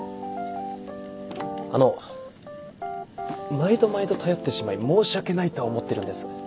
あの毎度毎度頼ってしまい申し訳ないとは思ってるんです。